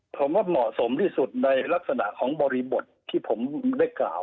ผมว่าเหมาะสมที่สุดในลักษณะของบริบทที่ผมได้กล่าว